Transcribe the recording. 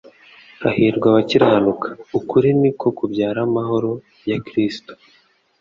«Hahirwa abakiranuka.» Ukuri niko kubyara amahoro ya Kristo.